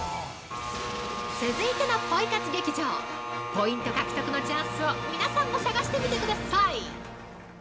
続いてのポイ活劇場ポイント獲得のチャンスを皆さんも探してみてください！